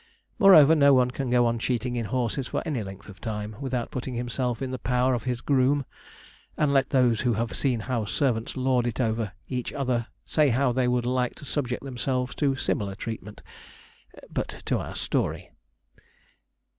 Moreover, no one can go on cheating in horses for any length of time, without putting himself in the power of his groom; and let those who have seen how servants lord it over each other say how they would like to subject themselves to similar treatment. But to our story.